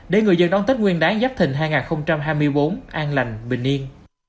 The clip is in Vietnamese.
để người dân đón tết nguyên đáng giáp thình hai nghìn hai mươi bốn an lành bình yên